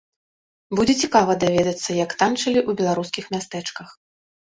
Будзе цікава даведацца, як танчылі ў беларускіх мястэчках.